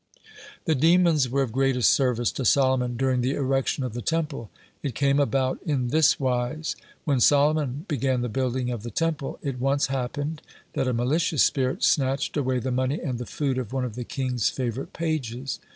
(53) The demons were of greatest service to Solomon during the erection of the Temple. It came about in this wise: When Solomon began the building of the Temple, it once happened that a malicious spirit snatched away the money and the food of one of the king's favorite pages.